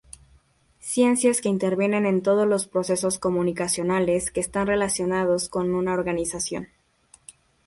Ciencias que intervienen en todos los procesos comunicacionales que están relacionados con una organización.